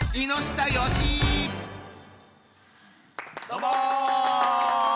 どうも。